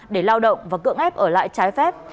để lao động và cưỡng ép ở lại trái phép